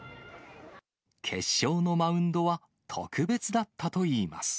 決勝のマウンドは、特別だったといいます。